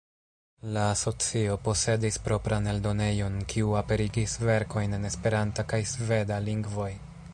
La asocio posedis propran eldonejon, kiu aperigis verkojn en Esperanta kaj sveda lingvoj.